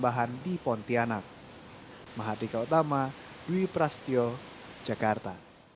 dan kalimantan barat mendirikan satu sma negeri tambahan di pontianak